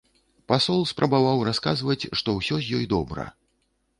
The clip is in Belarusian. Пасол спрабаваў расказваць, што ўсё з ёй добра.